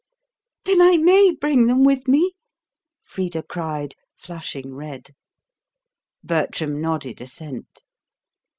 "Then I may bring them with me?" Frida cried, flushing red. Bertram nodded assent.